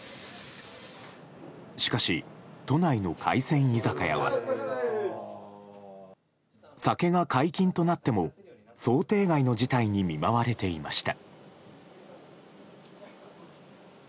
しかし、都内の海鮮居酒屋は酒が解禁となっても想定外の事態に見舞われていました。